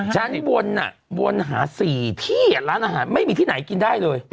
ชั้นบนวนหา๔ที่ร้านอาหารไม่มีที่ไหนกินได้เลย